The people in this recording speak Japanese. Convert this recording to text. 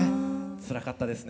つらかったですね。